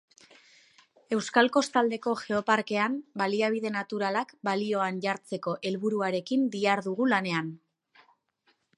Euskal Kostaldeko Geoparkean baliabide naturalak balioan jartzeko helburuarekin dihardugu lanean.